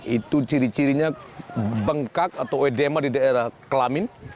itu ciri cirinya bengkak atau edema di daerah kelamin